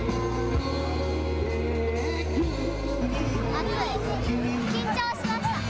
暑い、緊張しました。